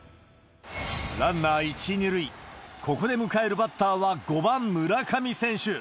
ランナー１、２塁、ここで迎えるバッターは、５番村上選手。